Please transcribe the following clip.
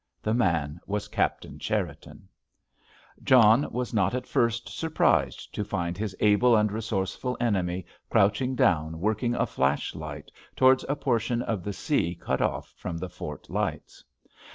The man was Captain Cherriton. John was not in the least surprised to find his able and resourceful enemy crouching down working a flashlight towards a portion of the sea cut off from the fort lights.